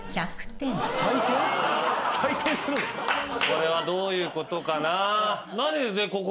これはどういうことかな？